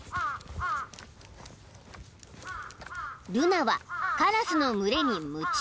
［ルナはカラスの群れに夢中］